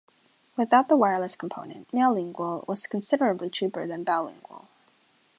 Without the wireless component, Meowlingual was considerably cheaper than BowLingual.